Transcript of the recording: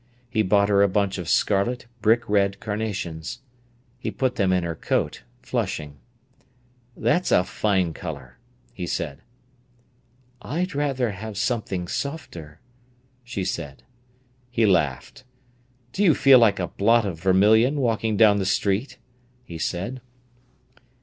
He bought her a bunch of scarlet, brick red carnations. She put them in her coat, flushing. "That's a fine colour!" he said. "I'd rather have had something softer," she said. He laughed. "Do you feel like a blot of vermilion walking down the street?" he said.